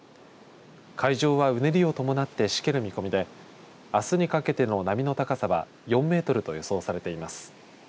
海上は、うねりを伴ってしける見込みであすにかけての波の高さは４メートルと予想されています。